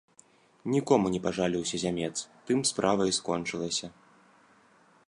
Нікому не пажаліўся зямец, тым справа і скончылася.